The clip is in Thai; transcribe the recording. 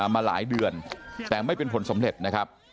มาหลายเดือนแต่ไม่เป็นผลสำเร็จนะครับ